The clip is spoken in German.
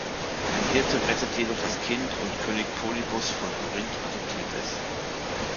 Ein Hirte rettet jedoch das Kind und König Polybos von Korinth adoptiert es.